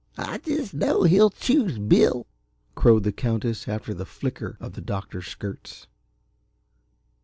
"I just know he'll choose Bill," crowed the Countess after the flicker of the doctor's skirts.